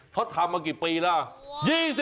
เขาทำมากี่ปีแล้ว